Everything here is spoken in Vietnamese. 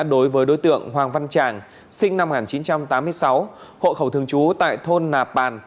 đối với đối tượng hoàng văn tràng sinh năm một nghìn chín trăm tám mươi sáu hộ khẩu thường trú tại thôn nà bàn